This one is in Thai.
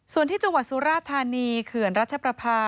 ส่วนที่จังหวัดสุราธานีเขื่อนรัชประพา